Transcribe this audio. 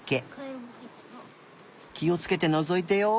きをつけてのぞいてよ。